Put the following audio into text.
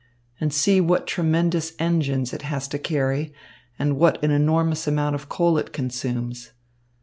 And see what tremendous engines it has to carry and what an enormous amount of coal it consumes.